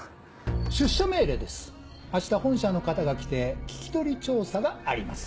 出社命令です明日本社の方が来て聞き取り調査があります。